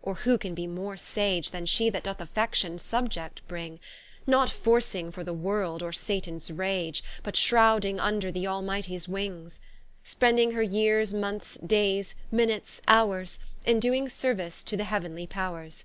or who can be more sage, Than she that doth Affection subject bring; Not forcing for the world, or Satans rage, But shrowding vnder the Almighties wing; Spending her yeares, moneths, daies, minutes, howres, In doing service to the heav'nly powres.